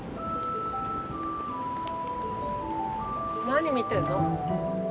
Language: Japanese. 何見てんの？